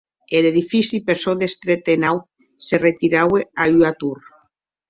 Er edifici, per çò d’estret e naut, se retiraue a ua tor.